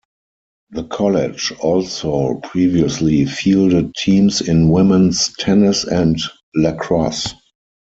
The college also previously fielded teams in women's tennis and lacrosse.